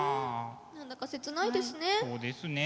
何だか切ないですね。